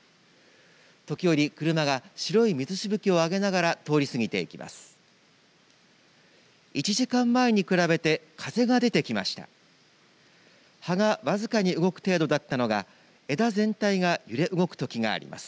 時折、車が白い水しぶきを上げながら通り過ぎていきます。